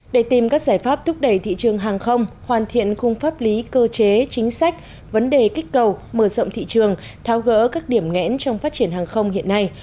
để tìm các giải pháp thúc đẩy thị trường hàng không hoàn thiện khung pháp lý cơ chế chính sách vấn đề kích cầu mở rộng thị trường tháo gỡ các điểm ngẽn trong phát triển hàng không hiện nay